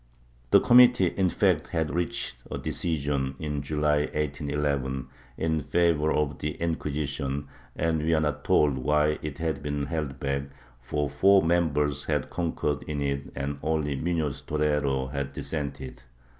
The committee, in fact, had reached a decision, in July 1811, in favor of the Inquisition, and we are not told why it had been held back, for four members had concurred in it and only Muiioz Torrero had dissented.